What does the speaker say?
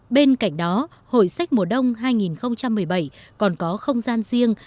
bên cạnh đó hội sách mùa đông hai nghìn một mươi bảy còn có không gian riêng